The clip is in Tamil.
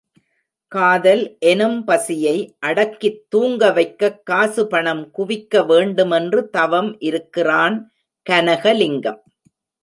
காதல் எனும் பசியை அடக்கித் தூங்கவைக்கக் காசு பணம் குவிக்க வேண்டுமென்று தவம் இருக்கிறான் கனகலிங்கம்.